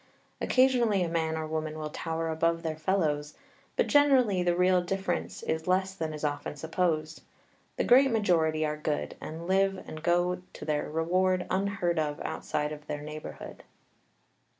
Occasionally a man or woman will tower above their fellows, but, generally, the real difference is less than is often supposed. The great majority are good, and live and go to their reward unheard of outside of their neighborhood.